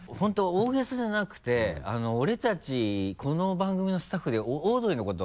大げさじゃなくて俺たちこの番組のスタッフでオードリーのこと